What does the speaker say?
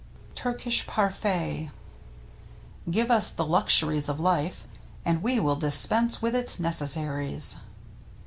^v 25 /^K TURKISH PARFAIT Give us the luxuries of life and we will dispense with its necessaries.